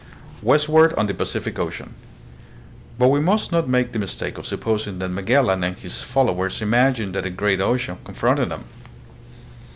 Westward on the Pacific Ocean. But we must not make the mistake of supposing that Magellan and his fol lowers imagined that a great ocean confronted them.